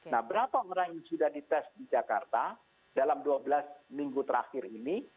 nah berapa orang yang sudah dites di jakarta dalam dua belas minggu terakhir ini